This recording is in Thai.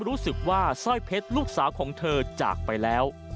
รู้สึกว่าสร้อยเพชรลูกสาวของเธอจากไปแล้ว